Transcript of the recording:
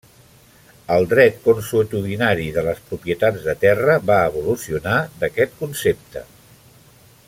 El dret consuetudinari de les propietats de terra va evolucionar d'aquest concepte.